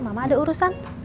mama ada urusan